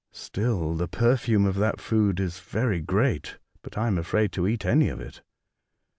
Still, the perfume of that food is very grateful, but I am afraid to eat any of it."